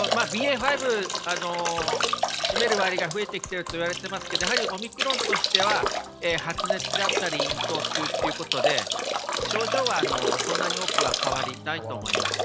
ＢＡ．５、占める割合が増えてきているといわれていますけどオミクロンとしては発熱だったり咽頭痛ということで症状は、そんなに多くは変わりないと思います。